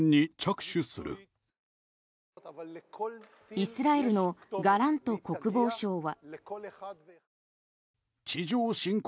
イスラエルのガラント国防相は。